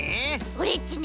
オレっちね